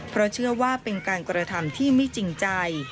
เพราะเชื่อว่าเป็นการกระทำที่ไม่จริงใจ